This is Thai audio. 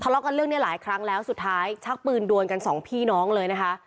ละกันเรื่องนี้หลายครั้งแล้วสุดท้ายชักปืนดวนกันสองพี่น้องเลยนะคะ